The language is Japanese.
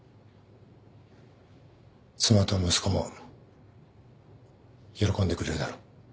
妻と息子も喜んでくれるだろう。